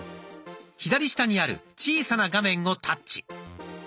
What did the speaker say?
左下にある小さな画面をタッチ。